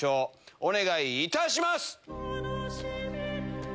お願いいたします。